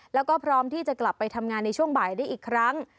แล้วก็พร้อมที่จะกลับไปทำงานในช่วงบ่ายได้อีกครั้ง